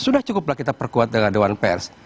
sudah cukuplah kita perkuat dengan dewan pers